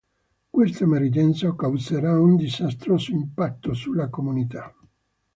Questa emergenza causerà un disastroso impatto sulla comunità.